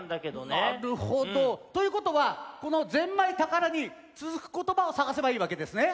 なるほど。ということはこの「ぜんまい宝」につづくことばをさがせばいいわけですね。